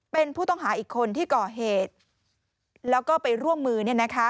เป็นผู้ต้องหาอีกคนที่ก่อเหตุแล้วก็ไปร่วมมือ